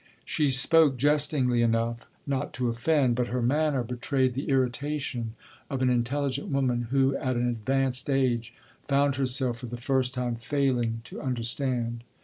She spoke jestingly enough not to offend, but her manner betrayed the irritation of an intelligent woman who at an advanced age found herself for the first time failing to understand.